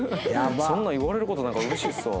そんなん言われる事ないから嬉しいっすわ。